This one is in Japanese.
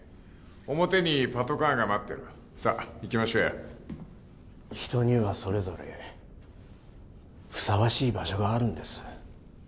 表にパトカーが待ってるさあ行きましょうや人にはそれぞれふさわしい場所があるんです